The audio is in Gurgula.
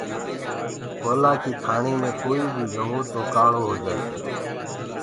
ڪوئيِلآ ڪيٚ کآڻي مي ڪوئيٚ بيٚ گو تو کآݪو هوجآسي۔